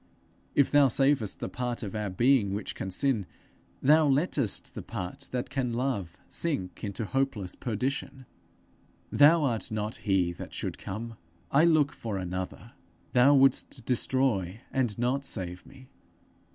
If thou savest the part of our being which can sin, thou lettest the part that can love sink into hopeless perdition: thou art not he that should come; I look for another! Thou wouldst destroy and not save me!